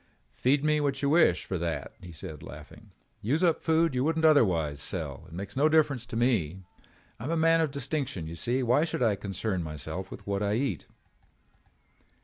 "Feed me what you wish for that," he said laughing. "Use up food that you wouldn't otherwise sell. It makes no difference to me. I am a man of distinction, you see. Why should I concern myself with what I eat."